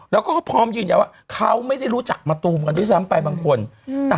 แล้วก็พร้อมยืนว่าเขาไม่ได้รู้จักมาตุ้มไปสั้นไปบางคน